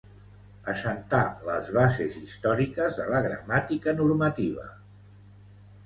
Assentà les bases històriques de la gramàtica normativa.